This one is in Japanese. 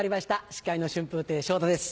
司会の春風亭昇太です。